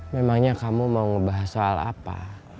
memangnya kamu mau bahas soal apa